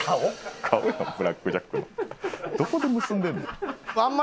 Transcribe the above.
どこで結んでんねん。